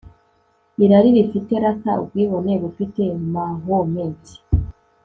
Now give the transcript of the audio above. Irari rifite Luther ubwibone bufite Mahomet